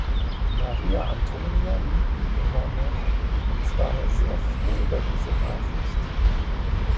Maria Antonia liebt ihn immer noch und ist daher sehr froh über diese Nachricht.